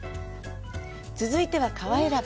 続いては革選び。